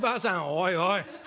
「おいおい